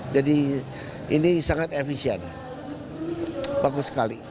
jadi ini sangat efisien bagus sekali